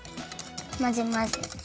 まぜまぜ。